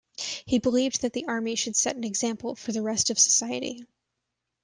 He believed that the army should set an example for the rest of society.